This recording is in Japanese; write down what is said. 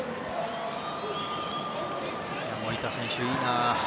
守田選手、いいな。